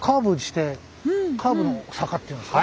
の坂っていうんですか。